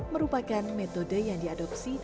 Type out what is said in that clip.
merupakan metode yang diadopsi